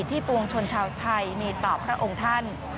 ปวงชนชาวไทยมีต่อพระองค์ท่าน